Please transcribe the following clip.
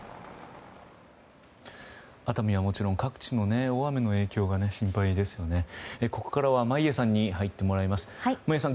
熱海市はもちろん各地の大雨の影響が心配ですよね。